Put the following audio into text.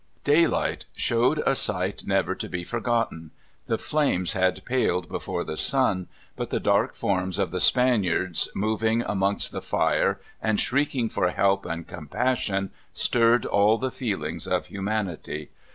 Daylight showed a sight never to be forgotten: the flames had paled before the sun, but the dark forms of the Spaniards moving amongst the fire and shrieking for help and compassion stirred all the feelings of humanity.